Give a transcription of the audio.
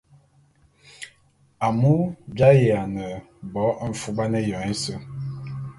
Amu j’ayiane bo mfuban éyoñ ése.